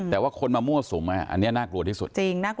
แต่ว่าคนมามั่วสุมอันนี้น่ากลัวที่สุด